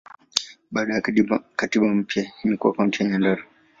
Baada ya katiba mpya, imekuwa Kaunti ya Nyandarua.